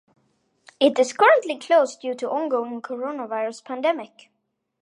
It is currently closed due to the ongoing coronavirus pandemic.